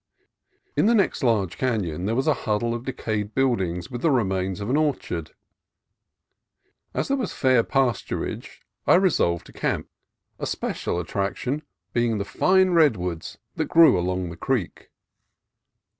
In the next large canon there was a huddle of de cayed buildings with the remains of an orchard. As there was fair pasturage I resolved to camp, a special 204 CALIFORNIA COAST TRAILS attraction being the fine redwoods that grew along the creek.